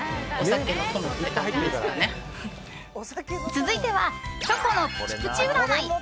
続いてはチョコのプチプチうらない。